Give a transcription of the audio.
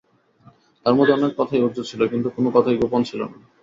তার মধ্যে অনেক কথাই ঊহ্য ছিল, কিন্তু কোনো কথাই গোপন ছিল না।